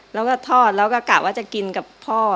แล้วก็ทอดแล้วก็กะว่าจะกินกับพ่อ